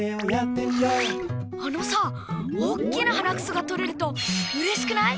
あのさおっきなはなくそがとれるとうれしくない？